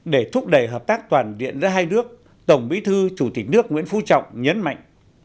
để thúc đẩy hợp tác toàn diện giữa hai nước tổng bí thư chủ tịch nước nguyễn phú trọng nhấn mạnh